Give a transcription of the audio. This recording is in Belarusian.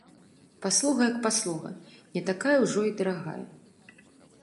Паслуга як паслуга, не такая ўжо і дарагая.